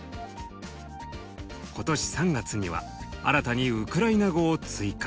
今年３月には新たにウクライナ語を追加。